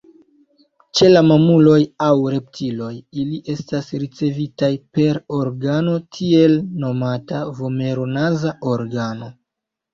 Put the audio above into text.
Ĉe la mamuloj aŭ reptilioj, ili estas ricevitaj per organo tiel nomata vomero-naza organo.